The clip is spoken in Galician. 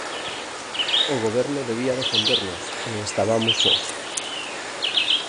O Goberno debía defendernos e estabamos sós.